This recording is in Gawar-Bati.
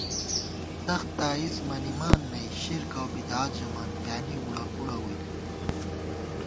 څخت تائیزہ منِمان نئ ، شرک اؤبدعت ژَمان ، پیانِی وُڑہ پُڑہ ووئی